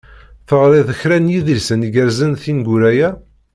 Teɣriḍ kra n yidlisen igerrzen tineggura-ya?